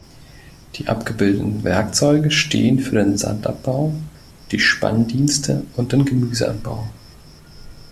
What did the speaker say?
Die abgebildeten Werkzeuge stehen für den Sandabbau, die Spanndienste und den Gemüseanbau.